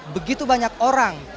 begitu banyak orang